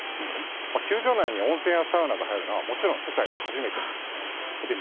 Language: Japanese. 球場内に温泉やサウナが入るのはもちろん世界で初めて。